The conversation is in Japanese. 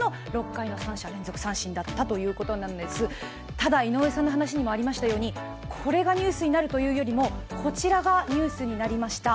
ただ、井上さんの話にありましたようにこれがニュースになるというよりもこちらがニュースになりました。